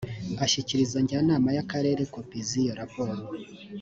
ashyikiriza njyanama y akarere kopi z’izo raporo